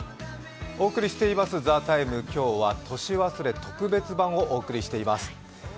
お送りしています「ＴＨＥＴＩＭＥ，」、今日は「年忘れ特別編」をお送りしています。